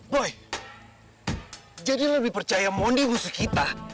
boy jadi lo lebih percaya mondi musuh kita